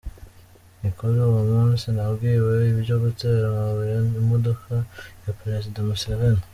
Ni kuri uwo munsi nabwiwe ibyo gutera amabuye imodoka ya Perezida Museveni.